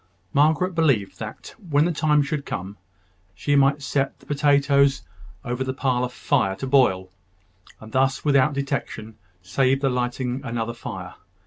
Margaret believed that, when the time should come, she might set the potatoes over the parlour fire to boil, and thus, without detection, save the lighting another fire.